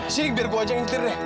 sini biar gue ajang ngitir deh